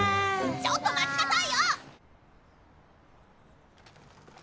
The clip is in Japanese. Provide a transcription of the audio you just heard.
ちょっと待ちなさいよ！